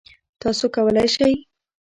تاسو کولی شئ